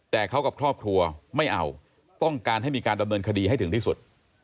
แต่เขากับครอบครัวไม่เอาต้องการให้มีการดำเนินคดีให้ถึงที่สุด